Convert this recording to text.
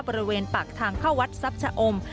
บริเวณปากทางเข้าวัดทรัพย์ชะอม